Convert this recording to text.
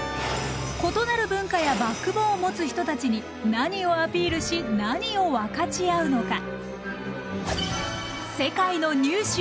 異なる文化やバックボーンを持つ人たちに何をアピールし何を分かち合うのか。